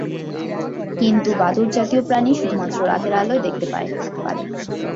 কিন্তু বাদুড়জাতীয় প্রাণী শুধুমাত্র রাতের আলোয় দেখতে পারে।